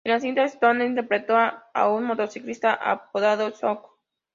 En la cinta "Stone" interpretó a un motociclista apodado "Hooks".